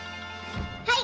はい！